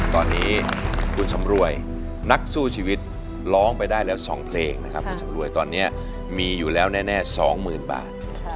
ตอนนี้คุณสำรวยนักสู้ชีวิตร้องไปได้แล้ว๒เพลงนะครับคุณสำรวยตอนนี้มีอยู่แล้วแน่๒๐๐๐บาท